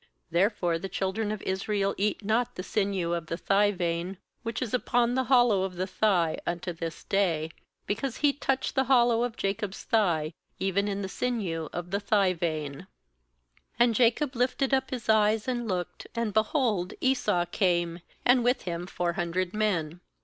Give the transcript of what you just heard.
^Therefore the children of Israel eat not the sinew of the thigh vein which is upon the hollow of the thigh, unto this day; because he touched the hollow of Jacob's thigh, even in the sinew of the thigh vein. OO And Jacob lifted up his eyes, ^^ and looked, and, behold, Esau came, and with him four hundred men.